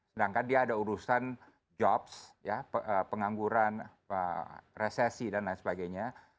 sedangkan dia ada urusan jobs pengangguran resesi dan lain sebagainya